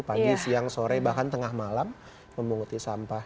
pagi siang sore bahkan tengah malam memunguti sampah